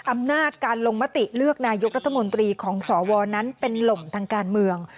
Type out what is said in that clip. อำนาจการลงมติเลือกนายกรัฐมนตรีของสวนั้นเป็นลมทางการเมือง